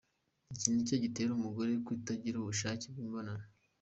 Ni iki gitera umugore kutagira ubushake bw’imibonano?.